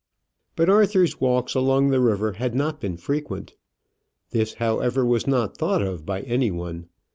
But Arthur's walks along the river had not been frequent. This, however, was not thought of by any one.